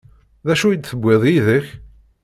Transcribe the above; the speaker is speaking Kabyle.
D acu i d-tewwiḍ yid-k?